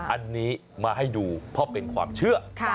อันนี้มาให้ดูเพราะเป็นความเชื่อ